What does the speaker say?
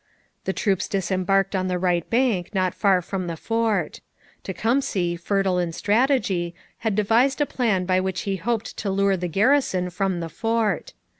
The troops disembarked on the right bank not far from the fort. Tecumseh, fertile in strategy, had devised a plan by which he hoped to lure the garrison from the fort.